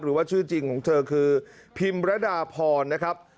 หรือว่าชื่อจริงของเธอคือพิมรดาพรนะครับ